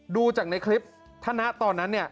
ดูจากในคลิปท่านนะตอนนั้นเนี่ย